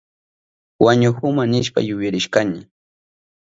Wañuhuma nishpa yuyarishkani.